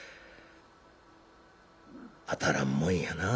「当たらんもんやなあ」。